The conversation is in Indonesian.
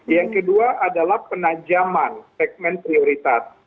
yang kedua adalah penajaman segmen prioritas